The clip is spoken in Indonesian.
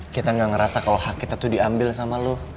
kita gak ngerasa kalau hak kita tuh diambil sama lo